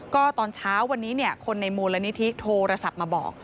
ก็ตอนเช้าวันนี้คนในมูลนิธิโทรศัพท์มาบอก